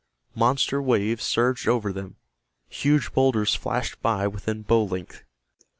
Monster waves surged over them, huge boulders flashed by within bow length.